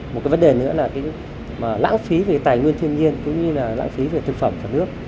một cái vấn đề nữa là cái lãng phí về tài nguyên thiên nhiên cũng như là lãng phí về thực phẩm cả nước